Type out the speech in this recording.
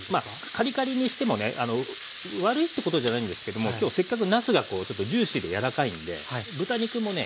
カリカリにしてもね悪いってことじゃないんですけども今日せっかくなすがちょっとジューシーで柔らかいんで豚肉もね